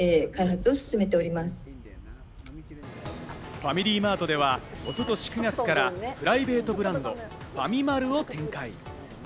ファミリーマートでは一昨年９月からプライベートブランド「ファミマル」を展開。